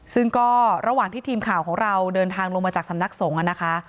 ซึ่งก็ระหว่างที่ทีมข่าวของเราเดินทางลงมาจากสำนักสงฆ์นะคะ